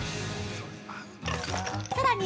さらに！